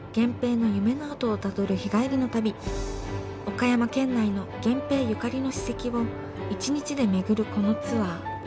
岡山県内の源平ゆかりの史跡を１日で巡るこのツアー。